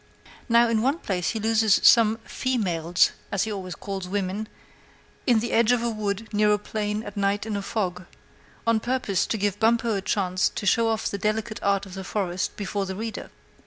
Now in one place he loses some "females" as he always calls women in the edge of a wood near a plain at night in a fog, on purpose to give Bumppo a chance to show off the delicate art of the forest before the reader.